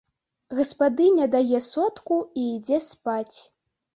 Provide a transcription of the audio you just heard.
Гаспадыня дае сотку і ідзе спаць.